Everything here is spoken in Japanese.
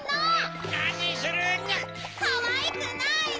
かわいくないの！